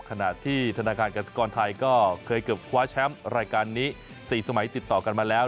ขณะที่ธนาคารกษกรไทยก็เคยเกือบคว้าแชมป์รายการนี้๔สมัยติดต่อกันมาแล้ว